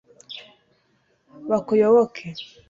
bakuyoboke